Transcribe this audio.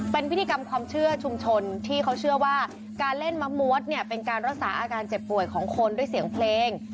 เป็นพิธีกรรมความเชื่อชุมชนที่เขาเชื่อว่าการเล่นมะมวดเนี่ยเป็นการรักษาอาการเจ็บป่วยของคนด้วยเสียงเพลง